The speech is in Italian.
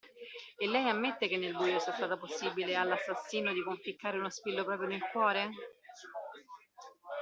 E lei ammette che nel buio sia stato possibile all'assassino di conficcare lo spillo proprio nel cuore?